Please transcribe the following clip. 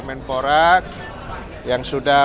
menporak yang sudah